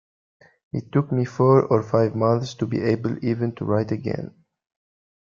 It took me four or five months to be able even to write again.